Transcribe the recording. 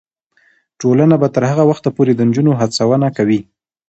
ټولنه به تر هغه وخته پورې د نجونو هڅونه کوي.